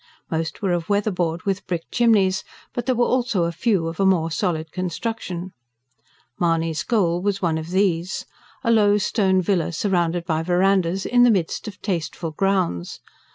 Most were o' weatherboard with brick chimneys; but there were also a few of a more solid construction. Mahony's goal was one of these: a low, stone villa surrounded by verandahs, in the midst of tasteful grounds.